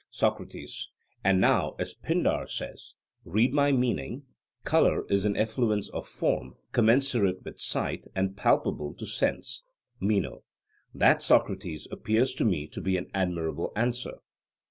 SOCRATES: And now, as Pindar says, 'read my meaning:' colour is an effluence of form, commensurate with sight, and palpable to sense. MENO: That, Socrates, appears to me to be an admirable answer.